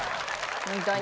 ホントに。